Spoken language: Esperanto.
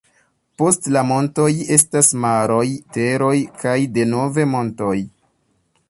Post la montoj estas maroj, teroj kaj denove montoj.